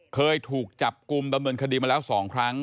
เคยถูกจับกลุ่มดำเนินคดีมาแล้ว๒ครั้ง